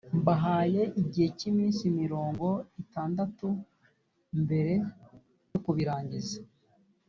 mbahaye igihe cy iminsi mirongo itandatu mbere yo kubirangiza